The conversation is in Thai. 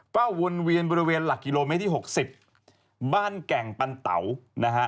วนเวียนบริเวณหลักกิโลเมตรที่๖๐บ้านแก่งปันเต๋านะฮะ